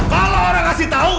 kalau orang ngasih tahu